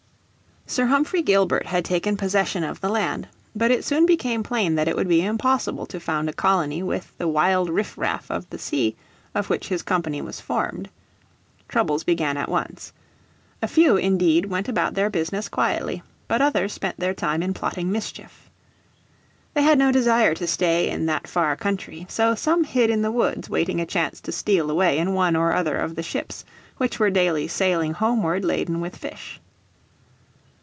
Sir Humphrey Gilbert had taken possession of the land. But it soon became plain that it would be impossible to found a colony with the wild riff raff of the sea of which his company was formed. Troubles began at once. A few indeed went about their business quietly, but others spent their time in plotting mischief. They had no desire to stay in that far country; so some hid in the woods waiting a chance to steal away in one or other of the ships which were daily sailing homeward laden with fish.